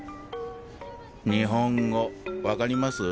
日本語分かります？